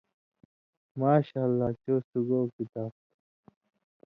ماشاءاللہ - چو سُگاؤ کتاب تُھو۔